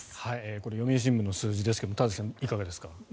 これ読売新聞の数字ですが田崎さん、いかがですか。